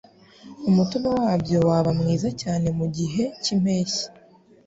umutobe wabyo waba mwiza cyane mu gihe cy’impeshyi.